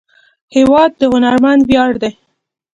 هېواد د هنرمند ویاړ دی.